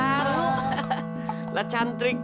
perasaan yang berbeda